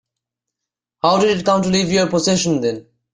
How did it come to leave your possession then?